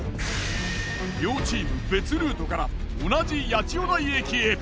両チーム別ルートから同じ八千代台駅へ。